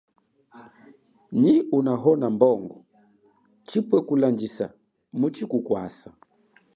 Nyi unahona mbongo chipwe kulandjisa muchi kukwasa.